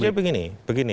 jadi begini begini